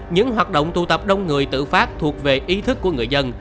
những hoạt động tụ tập đông người tự phát thuộc về ý thức của người dân